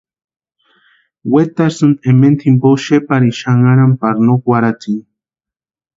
Wetarhisïnti ementa jimpo xeparini xanharani pari no kwarhatsini.